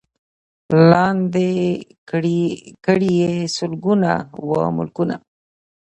لاندي کړي یې سلګونه وه ملکونه